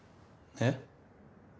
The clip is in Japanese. えっ？